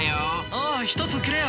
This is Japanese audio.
おお１つくれよ。